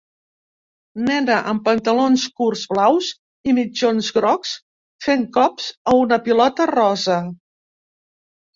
Nena amb pantalons curts blaus i mitjons grocs fent cops a una pilota rosa.